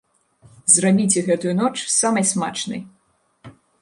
Зрабіце гэтую ноч самай смачнай!